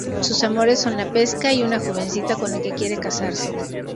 Sus amores son la pesca y una jovencita con la que quiere casarse.